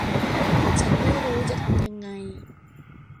ฉันไม่รู้จะทำยังไง